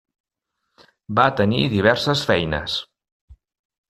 Va tenir diverses feines.